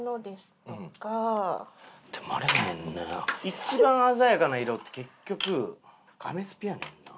一番鮮やかな色って結局アメスピやねんな。